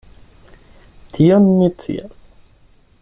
Tion mi scias.